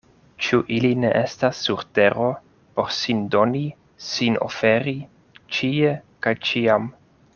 Ĉu ili ne estas sur tero por sin doni, sin oferi, ĉie kaj ĉiam?